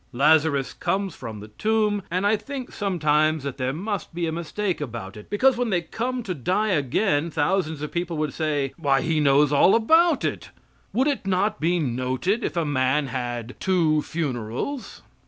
Lazarus comes from the tomb, and I think sometimes that there must be a mistake about it, because when they come to die again thousands of people would say, "Why, he knows all about it!" Would it not be noted if a man had two funerals?